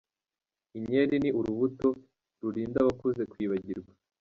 Inkeri ni urubuto rurinda abakuze kwibagirwa